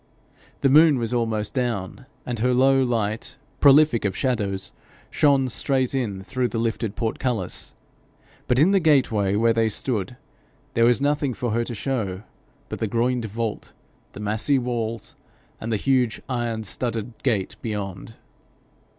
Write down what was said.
The moon was almost down, and her low light, prolific of shadows, shone straight in through the lifted portcullis, but in the gateway where they stood, there was nothing for her to show but the groined vault, the massy walls, and the huge iron studded gate beyond.